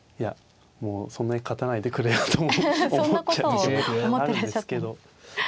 もうそんなに勝たないでくれよと思っちゃう時もあるんですけど。